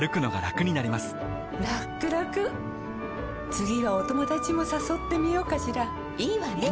らくらくはお友達もさそってみようかしらいいわね！